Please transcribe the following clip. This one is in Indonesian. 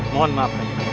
mohon maafkan kajengku